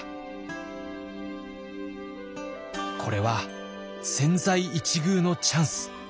これは千載一遇のチャンス。